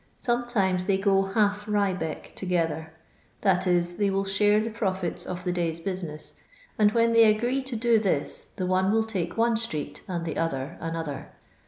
Sometimes they go half " Rybeck " together — that is, they will share the profiU of the day's busi ness, and when they agree to do this the one will take one street, and the other another.